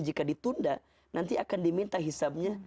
jika ditunda nanti akan diminta hisapnya